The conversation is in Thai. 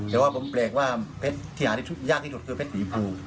แต่ผมแปลงว่าเพชรที่หาที่ยากที่สุดคือเพชรสีชมพู